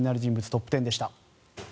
トップ１０でした。